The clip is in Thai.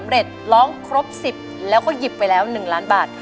เร็จร้องครบ๑๐แล้วก็หยิบไปแล้ว๑ล้านบาท